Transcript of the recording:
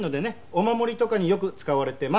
お守りとかによく使われてます。